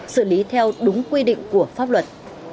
xử lý theo đúng quy định của pháp luật